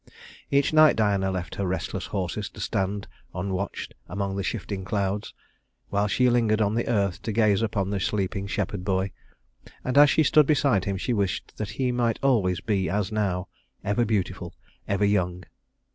Each night Diana left her restless horses to stand unwatched among the shifting clouds, while she lingered on the earth to gaze upon the sleeping shepherd boy; and as she stood beside him she wished that he might always be as now ever beautiful, ever young.